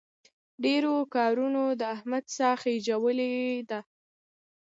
ډېرو کارونو د احمد ساه خېژولې ده.